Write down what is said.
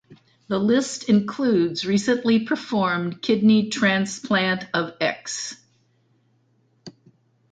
The list includes recently performed kidney transplant of Ex.